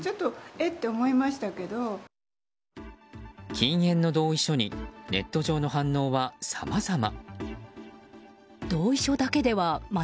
禁煙の同意書にネット上の反応はさまざま。